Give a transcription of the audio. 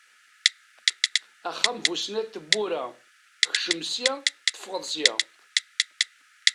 Axxam bu snat n tebbura, ekcem sya, teffeɣeḍ sya!